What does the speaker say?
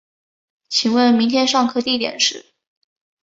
请问明天上课地点是